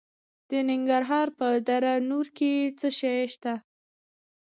د ننګرهار په دره نور کې څه شی شته؟